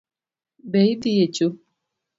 Be idhi e choo?